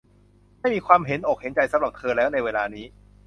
ไม่มีความเห็นอกเห็นใจสำหรับเธอแล้วในเวลานี้